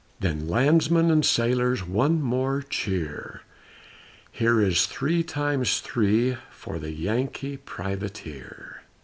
Then landsmen and sailors, One more cheer! Here is three times three For the Yankee Privateer!